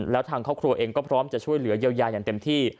แล้วทางครอบครัวเองก็พร้อมจะช่วยเหลือเยียวยาอย่างเต็มที่